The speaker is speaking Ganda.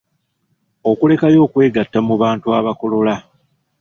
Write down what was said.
Okulekayo okwegatta mu bantu abakolola.